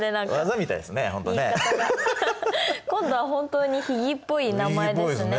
今度は本当に秘技っぽい名前ですね。